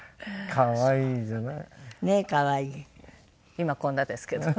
今こんなですけども。